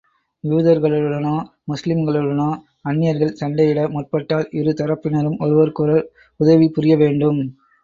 யூதர்களுடனோ, முஸ்லிம்களுடனோ அந்நியர்கள் சண்டையிட முற்பட்டால், இரு தரப்பினரும் ஒருவருக்கொருவர் உதவி புரிய வேண்டும்.